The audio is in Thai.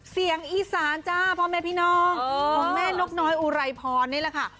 เสียงอีสานจ้าพ่อแม่พี่น้องของแม่นกน้อยอุไรพรนี่แหละค่ะ